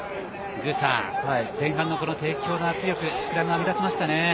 具さん、前半の帝京の圧力スクラムが目立ちましたね。